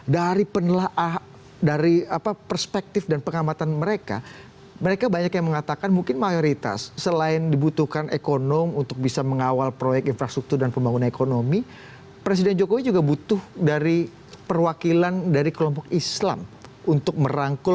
dari perspektif dan pengamatan mereka mereka banyak yang mengatakan mungkin mayoritas selain dibutuhkan ekonomi untuk bisa mengawal proyek infrastruktur dan pembangunan ekonomi presiden jokowi juga butuh dari perwakilan dari kelompok islam untuk merangkul